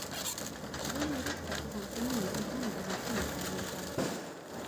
دوی ورسته پوهنتونونو کې هم د نجونو تعلیم بند